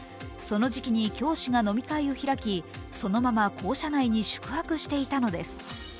その時期に教師が飲み会を開き、そのまま校舎内に宿泊していたのです。